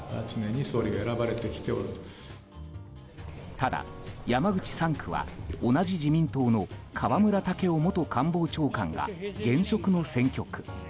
ただ、山口３区は同じ自民党の河村建夫元官房長官が現職の選挙区。